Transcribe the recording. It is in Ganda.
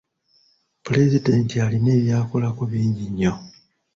Pulezidenti alina eby'akolako bingi nnyo.